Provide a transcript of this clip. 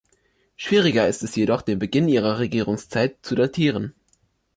Schwieriger ist es jedoch, den Beginn ihrer Regierungszeit zu datieren.